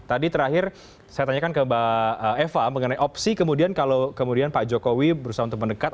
tadi terakhir saya tanyakan ke mbak eva mengenai opsi kemudian kalau kemudian pak jokowi berusaha untuk mendekat